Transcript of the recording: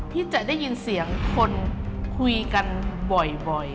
ที่จะได้ยินเสียงคนคุยกันบ่อย